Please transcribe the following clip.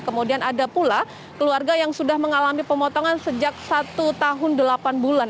kemudian ada pula keluarga yang sudah mengalami pemotongan sejak satu tahun delapan bulan